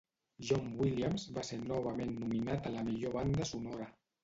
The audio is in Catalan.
John Williams va ser novament nominat a la millor banda sonora.